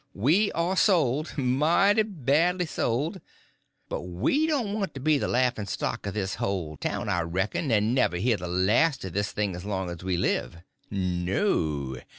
"We are sold—mighty badly sold. But we don't want to be the laughing stock of this whole town, I reckon, and never hear the last of this thing as long as we live. No.